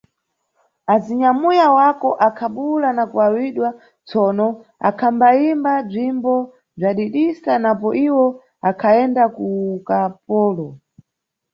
Azinyamuya wako akhabuwula na kuwawidwa, tsono akhambayimba bzimbo bzadidisa napo iwo akhayenda ku ukapolo.